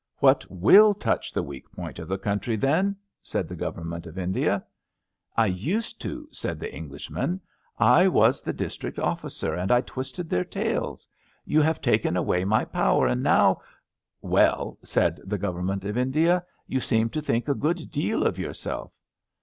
'* What will touch the weak point of the coun try, then? " said the Government of India. I used to," said the Englishman. I was the District OflScer, and I twisted their tails. You have taken away my power, and now "Well," said the Government of India, ^^ you seem to think a good deal of yourself."